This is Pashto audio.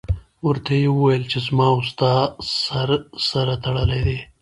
ورته یې وویل چې زما او ستا سر سره تړلی دی.